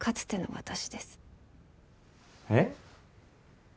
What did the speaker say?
えっ？